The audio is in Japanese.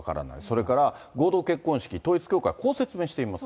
それから合同結婚式、統一教会、こう説明しています。